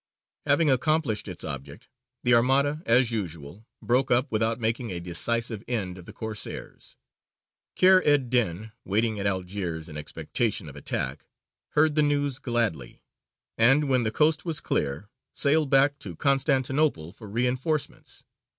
Having accomplished its object, the Armada, as usual, broke up without making a decisive end of the Corsairs. Kheyr ed dīn, waiting at Algiers in expectation of attack, heard the news gladly, and, when the coast was clear, sailed back to Constantinople for reinforcements.